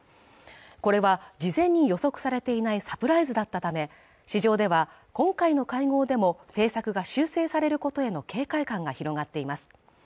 これは事前に予測されていないサプライズだったため市場では今回の会合でも政策が修正されることへの警戒感が広がっています